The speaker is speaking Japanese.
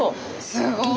すごい！